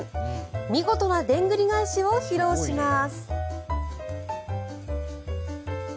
見事なでんぐり返しを披露します。